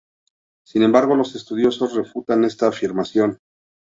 Sin embargo, los estudiosos refutan esta afirmación.